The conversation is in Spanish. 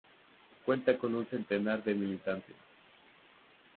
Cuenta con un centenar de militantes.